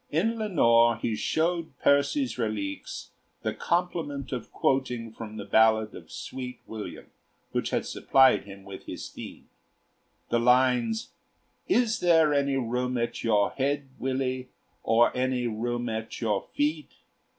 In 'Lenore' he showed Percy's 'Reliques' the compliment of quoting from the ballad of 'Sweet William,' which had supplied him with his theme, the lines: "Is there any room at your head, Willie, or any room at your feet?"